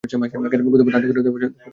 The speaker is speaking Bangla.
গুঁতোগুঁতির আড্ডা করে দেবার শক্তি আমার নাই।